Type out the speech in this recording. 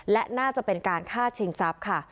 และน่าจะเป็นการฆ่าชิงทรัพย์ค่ะ